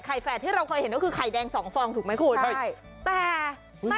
ไข่แฟสที่เราเคยเห็นก็คือไข่แดง๒ฟองถูกมั้ยคุณ